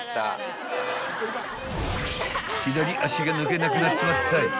［左足が抜けなくなっちまったい］